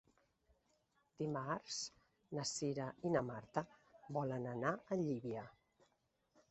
Dimarts na Cira i na Marta volen anar a Llívia.